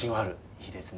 いいですね。